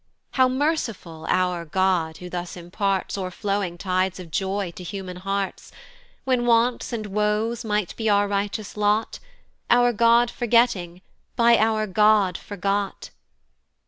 How merciful our God who thus imparts O'erflowing tides of joy to human hearts, When wants and woes might be our righteous lot, Our God forgetting, by our God forgot!